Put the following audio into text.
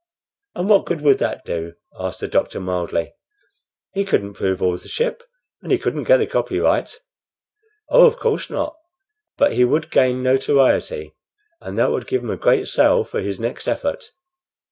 "And what good would that do?" asked the doctor, mildly. "He couldn't prove the authorship, and he couldn't get the copyright." "Oh, of course not; but he would gain notoriety, and that would give him a great sale for his next effort."